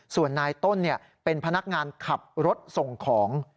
ส่วนนายต้นเป็นพนักงานขับรถส่งของ